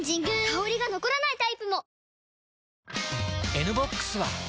香りが残らないタイプも！